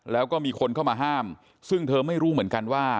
แล้วก็มีคนเข้ามาห้ามซึ่งเธอไม่รู้เหมือนกันว่า